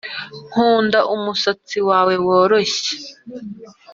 nkunda umusatsi wawe woroshye